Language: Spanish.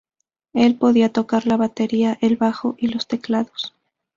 Él podía tocar la batería, el bajo y los teclados.